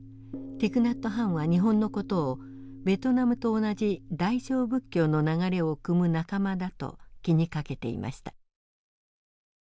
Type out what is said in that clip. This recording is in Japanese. ティク・ナット・ハンは日本の事をベトナムと同じ大乗仏教の流れをくむ仲間だと気にかけていました。